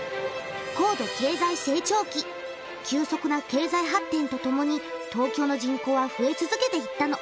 急速な経済発展とともに東京の人口は増え続けていったの。